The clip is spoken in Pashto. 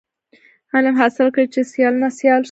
علم حاصل کړی چي د سیالانو سیال سو.